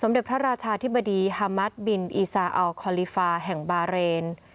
เด็จพระราชาธิบดีฮามัสบินอีซาอัลคอลิฟาแห่งบาเรน